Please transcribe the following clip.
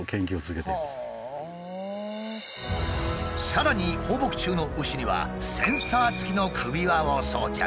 さらに放牧中の牛にはセンサー付きの首輪を装着。